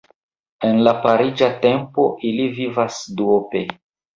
En la pariĝa tempo ili vivas duope.